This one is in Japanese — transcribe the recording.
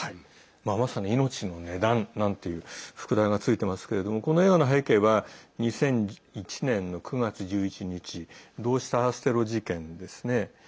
まさに「命の値段」なんていう副題がついてますけれどもこの映画の背景は２００１年の９月１１日同時多発テロ事件ですね。